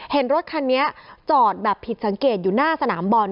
เห็นรถคันนี้จอดแบบผิดสังเกตอยู่หน้าสนามบอล